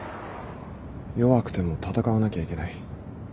弱くても戦わなきゃいけない。